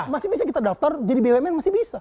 masih bisa kita daftar jadi bumn masih bisa